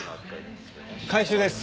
回収です。